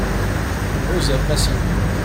Huzz ammas-im.